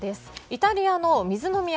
イタリアの水の都